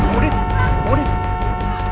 kita tuh mau kesini dulu